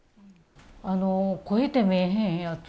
あの肥えて見えへんやつ。